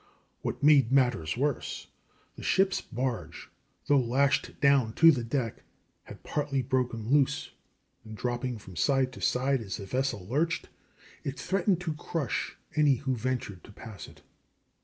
What made matters worse, the ship's barge, though lashed down to the deck, had partly broken loose, and dropping from side to side as the vessel lurched, it threatened to crush any who ventured to pass it.